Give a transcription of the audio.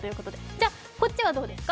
じゃ、こっちはどうですか？